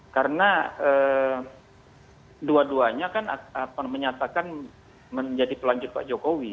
karena dua duanya kan menyatakan menjadi pelanjut pak jokowi